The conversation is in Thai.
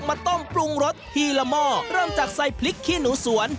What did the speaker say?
มาต้มปรุงรสทีละหม้อเริ่มจากใส่พริกขี้หนูสวน